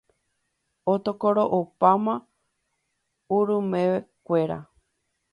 Otokoro'opáma urumekuéra.